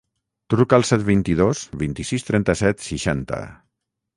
Truca al set, vint-i-dos, vint-i-sis, trenta-set, seixanta.